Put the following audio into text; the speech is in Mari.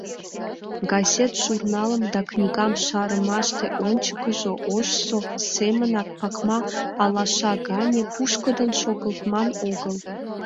Газет-журналым да книгам шарымаште ончыкыжо ожсо семынак пакма алаша гане пушкыдын шогылтман огыл.